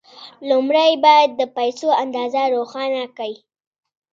لومړی باید د پيسو اندازه روښانه کړئ.